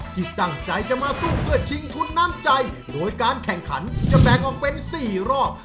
ที่ตั้งใจจะมาสู้เพื่อชิงทุนน้ำใจโดยการแข่งขันจะแบ่งออกเป็น๔รอบ